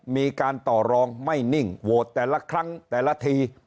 มีการต่อรองไม่นิ่งโหวตแต่ละครั้งแต่ละที